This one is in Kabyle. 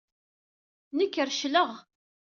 Nekk recleɣ.